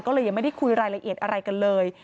ก็เลยยังไม่ได้คุยรายละเอียดอะไรกันเลย